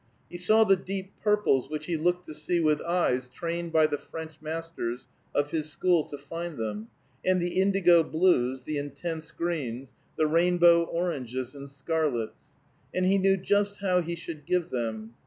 He saw the deep purples which he looked to see with eyes trained by the French masters of his school to find them, and the indigo blues, the intense greens, the rainbow oranges and scarlets; and he knew just how he should give them.